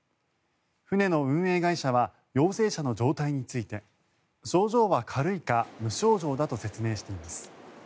船の運営会社は陽性者の状態について症状は軽いか無症状だと説明しています。